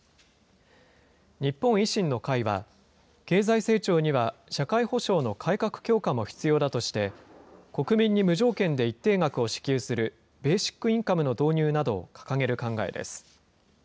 日本維新の会は、経済成長には、社会保障の改革強化も必要だとして、国民に無条件で一定額を支給するベーシックインカムの導入などを掲げる考えです。